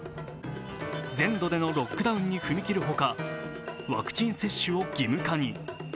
全土でのロックダウンに踏み切るほか、ワクチン接種を義務化に。